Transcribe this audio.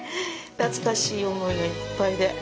懐かしい思いがいっぱいで。